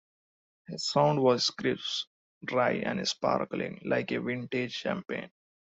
His sound was crisp, dry, and sparkling, like a vintage champagne.